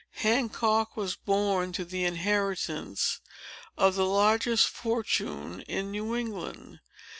Hancock was born to the inheritance of the largest fortune in New England.